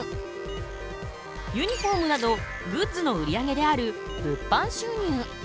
ユニフォームなどグッズの売り上げである物販収入。